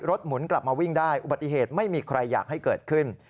หมุนกลับมาวิ่งได้อุบัติเหตุไม่มีใครอยากให้เกิดขึ้น